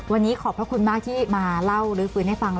วันนี้ขอบพระคุณมากที่มาเล่าลื้อฟื้นให้ฟัง